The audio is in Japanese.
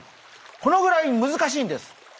このぐらい難しいんです。